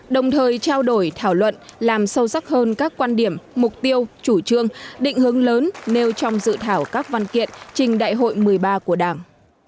đồng thời trao đổi thảo luận làm sâu sắc hơn các quan điểm mục tiêu chủ trương định hướng lớn nêu trong dự thảo các văn kiện trình đại hội một mươi ba của đảng